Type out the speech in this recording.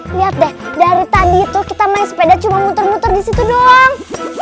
lihat deh dari tadi itu kita main sepeda cuma muter muter di situ doang